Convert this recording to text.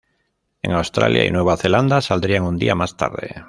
En Australia y Nueva Zelanda saldría un día más tarde.